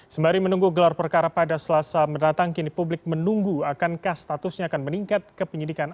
sembari menunggu gelar perkara pada selasa mendatang kini publik menunggu akankah statusnya akan meningkat ke penyidikan